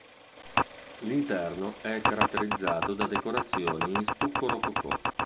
L'interno è caratterizzato da decorazioni in stucco rococò.